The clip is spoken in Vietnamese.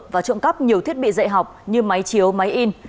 và trộm cắp nhiều thiết bị dạy học như máy chiếu máy in